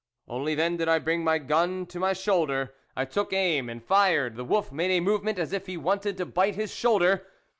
Only then did I bring my gun to the shoulder ; I took aim, and fired ; the wolf made a movement as if he wanted to bite his shoulder.